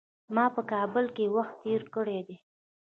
ما په کابل کي وخت تېر کړی دی .